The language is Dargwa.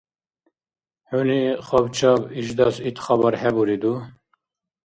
ХӀуни, хабчаб, ишдас ит хабар хӀебуриду?